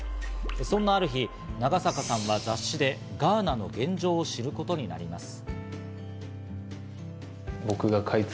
そんなある日、長坂さんは雑誌でガーナの現状を知ることになります。